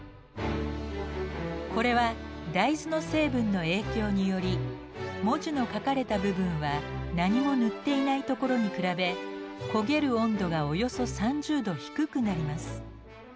これは大豆の成分の影響により文字の書かれた部分は何も塗っていないところに比べ焦げる温度がおよそ３０度低くなります。